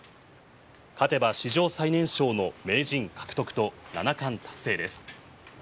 勝てば史上最年少の名人獲得と七冠達成です。